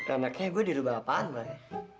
anaknya gue dirubah apaan mbak ya